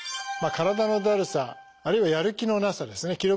体のだるさあるいはやる気のなさですね